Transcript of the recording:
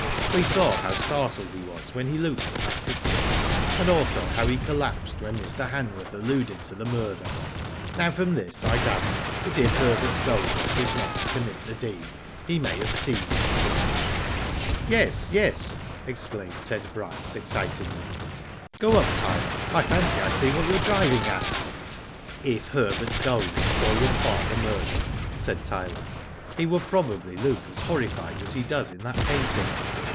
We saw how startled he was when he looked at that picture, and also how he collapsed when Mr. Hanworth alluded to the murder. Now from this, I gather, that if Herbert Golding did not commit the deed, he may have seen it committed." Yes, yes!" exclaimed Ted Bryce, excitedly. Digitized by Google TRIED AND CONVICTED. 247 " Go on, Tyler. I fancy I see what you are driving at." If Herbert Golding saw your father murdered/' said Tyler, "he would probably look as horrified as he does in that painting.